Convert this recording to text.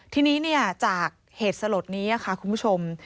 ทีนี้จากเหตุสลดนี้ค่ะคุณผู้ชม